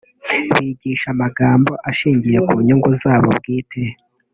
bigisha amagambo ashingiye ku nyungu zabo bwite